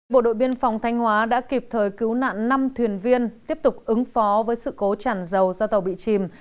bộ đội biên phòng thanh hóa đã kịp thời cứu nạn năm thuyền viên tiếp tục ứng phó với sự cố chản dầu do tàu bị chìm